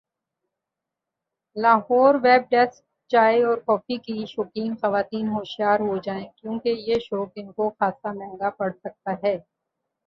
Lahore web desk چائے اور coffee کی شوقین خواتین ہوشیار ہوجائیں کیونکہ یہ شوق ان کو خاص مہنگا پڑ سکتا ہے